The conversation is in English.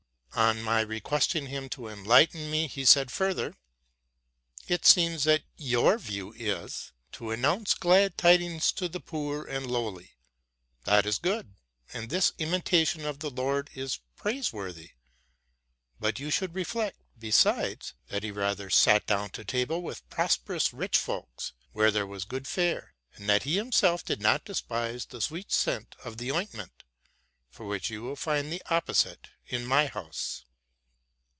'? On my requesting him to enlighten me, he said further, '' It seems that your view is, to announce elad tidings to the poor and lowly ; that is good, and this imitation of the Lord is praiseworthy : but you should reflect, besides, that he rather sat down to table with prosperous rich folks, where there was good fare, and that he himself did not despise the sweet scent of the oint ment, of which you will find the opposite in my house."